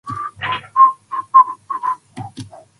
Peat was traditionally manually harvested by operating cutaway bogs.